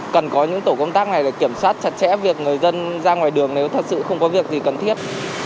cần có những tổ công tác này để kiểm soát chặt chẽ việc người dân ra ngoài đường nếu thật sự không có việc gì cần thiết